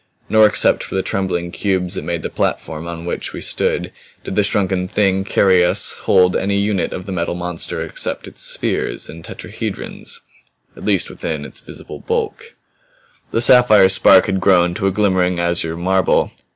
Nor except for the trembling cubes that made the platform on which we stood, did the shrunken Thing carrying us hold any unit of the Metal Monster except its spheres and tetrahedrons at least within its visible bulk. The sapphire spark had grown to a glimmering azure marble.